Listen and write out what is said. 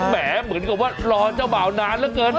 แหมเหมือนกับว่ารอเจ้าบ่าวนานเหลือเกิน